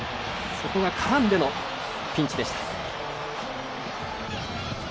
そこが絡んでのピンチでした。